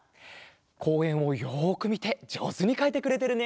こうえんをよくみてじょうずにかいてくれてるね。